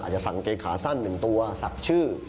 อาจจะศักดิ์เกย์ขาสั้น๑ตัวศักดิ์ชื่อ